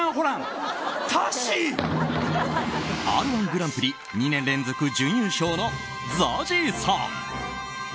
「Ｒ‐１グランプリ」２年連続準優勝のＺＡＺＹさん。